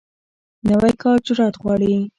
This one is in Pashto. نوی کار جرئت غواړي